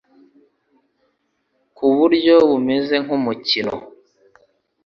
ku buryo bumeze nk’umukino